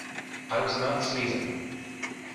I was not sneezing.